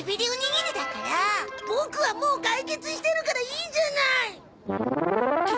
ボクはもう解決してるからいいじゃない！